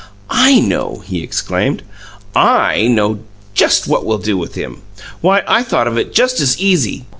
"I know!" he exclaimed. "I know what we'll do with him. Why, I thought of it just as EASY!